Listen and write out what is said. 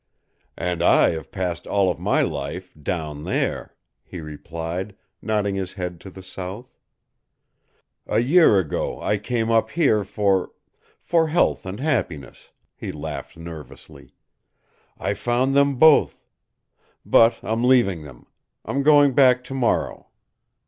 "And I have passed all of my life DOWN THERE," he replied, nodding his head to the south. "A year ago I came up here for for health and happiness," he laughed nervously. "I found them both. But I'm leaving them. I'm going back to morrow.